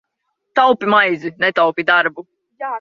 Taupi maizi, netaupi darbu!